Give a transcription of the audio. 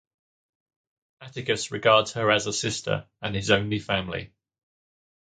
Atticus regards her as a sister, and his only family.